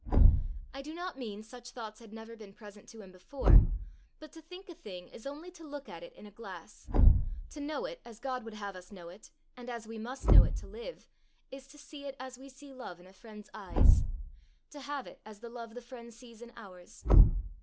I do not mean such thoughts had never been present to him before; but to think a thing is only to look at it in a glass; to know it as God would have us know it, and as we must know it to live, is to see it as we see love in a friend's eyes to have it as the love the friend sees in ours.